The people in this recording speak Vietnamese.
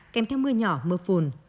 kèm theo mưa nhỏ mưa phùn